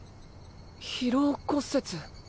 疲労骨折。